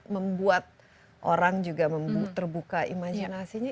membuat orang juga terbuka imajinasinya